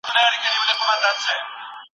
دا کیسه ډېره په زړه پورې واقعه ده.